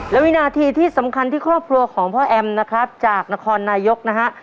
และวินาทีที่สำคัญที่ครอบครัวของพ่อแอมนะครับจากนครนายกนะฮะ